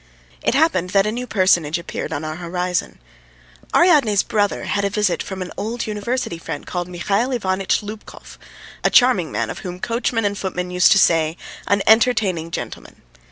It happened that a new personage appeared on our horizon. Ariadne's brother had a visit from an old university friend called Mihail Ivanitch Lubkov, a charming man of whom coachmen and footmen used to say: "An entertaining gentleman."